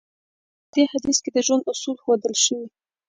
په دې حديث کې د ژوند اصول ښودل شوی.